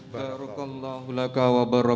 binti hairul tanjung